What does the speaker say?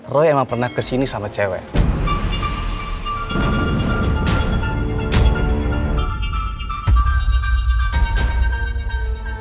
roy emang pernah kesini sama cewek